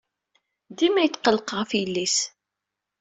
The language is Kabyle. Dima yetqelleq ɣef yelli-s.